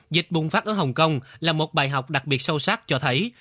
dịch bùng phát ở hồng kông là một bài học đặc biệt sâu sắc cho thấy